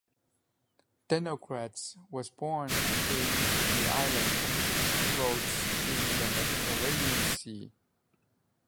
Denocrates was born in the island of Rhodes in the Mediterranean Sea.